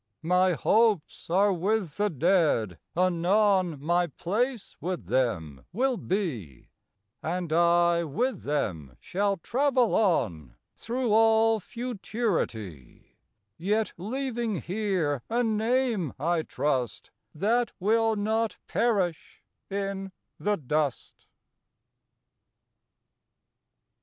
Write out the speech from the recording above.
My hopes are with the Dead; anon My place with them will be, And I with them shall travel on Through all Futurity; Yet leaving here a name, I trust, That will not perish in the dust.